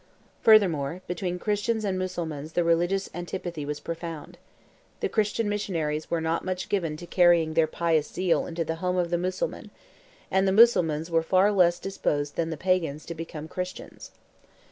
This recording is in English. Furthermore, between Christians and Mussulmans the religious antipathy was profound. The Christian missionaries were not much given to carrying their pious zeal into the home of the Mussulman; and the Mussulmans were far less disposed than the pagans to become Christians.